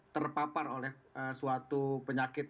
terpapar oleh suatu penyakit